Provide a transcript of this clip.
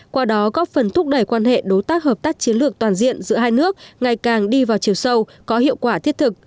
qua đó góp phần thúc đẩy quan hệ đối tác hợp tác chiến lược toàn diện giữa hai nước ngày càng đi vào chiều sâu có hiệu quả thiết thực